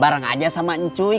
barang aja sama ncuy